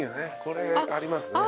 これありますね。